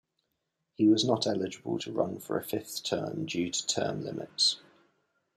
He was not eligible to run for a fifth term due to term limits.